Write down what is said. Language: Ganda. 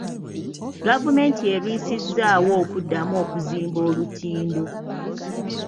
Gavumenti erwisizzaawo okuddamu okuzimba olutindo.